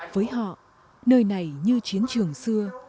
với họ nơi này như chiến trường xưa